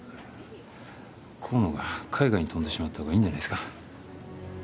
河野が海外に飛んでしまったほうがいいんじゃないですか？